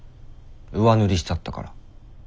上塗りしちゃったから。